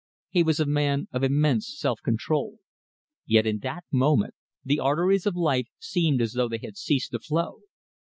He was a man of immense self control. Yet in that moment the arteries of life seemed as though they had ceased to flow.